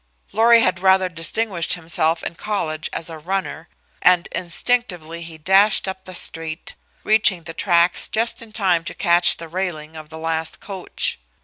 Lorry had rather distinguished himself in college as a runner, and instinctively he dashed up the street, reaching the tracks just in time to catch the railing of the last coach.